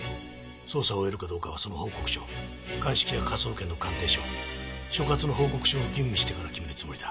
捜査を終えるかどうかはその報告書鑑識や科捜研の鑑定書所轄の報告書を吟味してから決めるつもりだ。